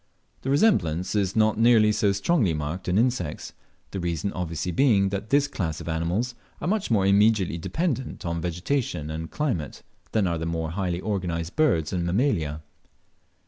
The resemblance is not nearly so strongly marked in insects, the reason obviously being, that this class of animals are much more immediately dependent on vegetation and climate than are the more highly organized birds and Mammalia.